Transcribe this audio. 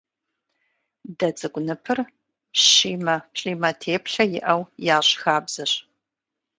Дэ цӀыкӀу ныпыр щимэ, плӀимэ теплъэ иӏэу ящӀ хабзэщ.